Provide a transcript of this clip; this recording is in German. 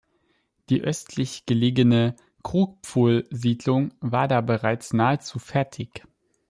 Die östlich gelegene Krugpfuhl-Siedlung war da bereits nahezu fertig.